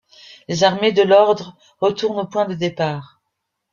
Les armées de l'Ordre retournent au point de départ.